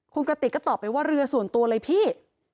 คุณกระติกก็ตอบไปว่าเรือส่วนตัวเลยพี่